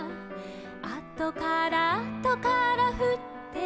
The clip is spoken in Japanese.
「あとからあとからふってきて」